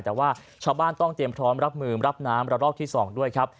แต่ว่าชาวบ้านต้องเตรียมพร้อมรับมือรับน้ำระลอกที่๒ด้วยครับ